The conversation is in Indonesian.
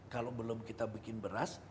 kalau belum kita bikin beras